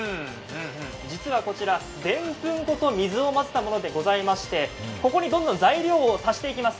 実はこちらでんぷん粉と水を混ぜたものでここにどんどん材料を足していきます。